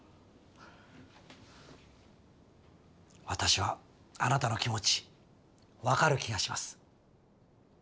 私はあなたの気持ち分かる気がします。